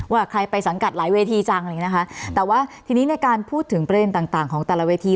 ว่าใครไปสังกัดหลายเวทีจังอะไรอย่างเงี้นะคะแต่ว่าทีนี้ในการพูดถึงประเด็นต่างต่างของแต่ละเวที